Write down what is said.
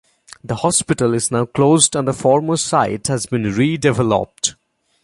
The hospital is now closed and the former site has been redeveloped.